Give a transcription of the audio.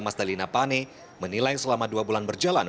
mas dalina pane menilai selama dua bulan berjalan